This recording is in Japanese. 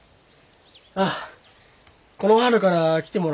あっこの春から来てもら